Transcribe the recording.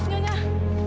saya gak mau makan